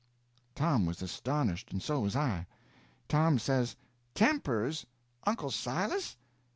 Tom was astonished, and so was I. Tom says: "Tempers? Uncle Silas?